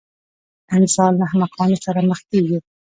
انسان له احمقانو سره مخ کېږي.